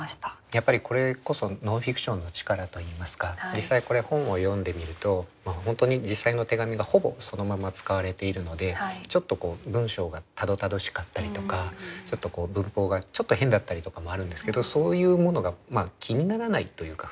やっぱりこれこそノンフィクションの力といいますか実際これは本を読んでみると本当に実際の手紙がほぼそのまま使われているのでちょっとこう文章がたどたどしかったりとか文法がちょっと変だったりとかもあるんですけどそういうものが気にならないというか。